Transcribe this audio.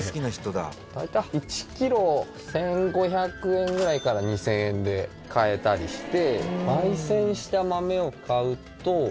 大体１キロ１５００円ぐらいから２０００円で買えたりして。